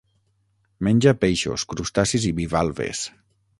Menja peixos, crustacis i bivalves.